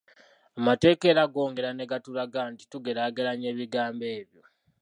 Amateeka era gongera ne gatulaga nti tugeraageranye ebigambo ebyo.